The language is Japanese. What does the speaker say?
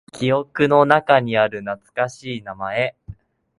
記憶の中にある懐かしい名前。